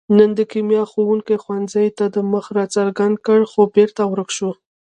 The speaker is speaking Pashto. نن د کیمیا ښوونګي ښوونځي ته مخ را څرګند کړ، خو بېرته ورک شو.